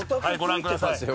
はいご覧ください。